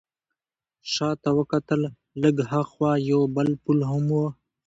شا ته وکتل، لږ ها خوا یو بل پل هم و.